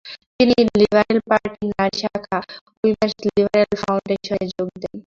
তিনি লিবারেল পার্টির নারী শাখা "উইমেনস লিবারেল ফাউন্ডেশন"-এ যোগ দেন।